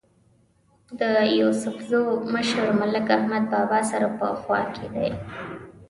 د یوسفزو مشر ملک احمد بابا سره په خوا کې دی.